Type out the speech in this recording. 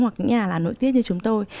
hoặc nhà là nội tiết như chúng tôi